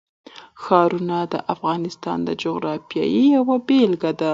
ښارونه د افغانستان د جغرافیې یوه بېلګه ده.